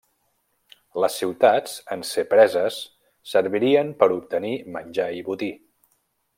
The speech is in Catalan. Les ciutats, en ser preses, servirien per obtenir menjar i botí.